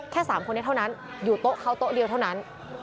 ๓คนนี้เท่านั้นอยู่โต๊ะเขาโต๊ะเดียวเท่านั้น